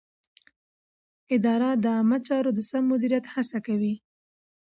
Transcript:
اداره د عامه چارو د سم مدیریت هڅه کوي.